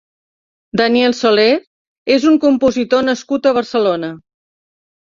Daniel Soler és un compositor nascut a Barcelona.